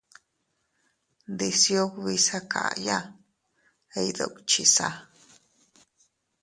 Ndisiubi sakaya iydukchisa.